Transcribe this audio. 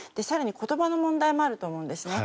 更に、言葉の問題もあると思うんです。